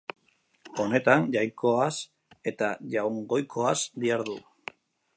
Honetan, jainkoaz eta jaungoikoaz dihardu.